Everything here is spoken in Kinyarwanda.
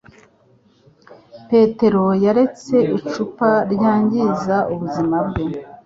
Petero yaretse icupa ryangiza ubuzima bwe